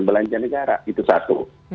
belanja negara itu satu